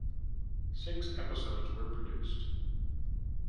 Six episodes were produced.